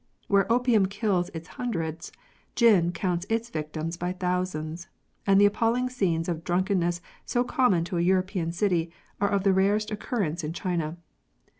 Where opium kills its hun dreds, gin counts its victims by thousands ; and the appalling scenes of drunkenness so common to a Euro pean city are of the rarest occurrence in China.